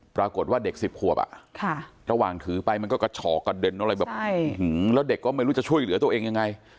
ปรากฏว่าเด็ก๑๐ขวบระหว่างถือไปมันก็กระฉอกกระเด็นอะไรแบบแล้วเด็กก็ไม่รู้จะช่วยเหลือตัวเองยังไง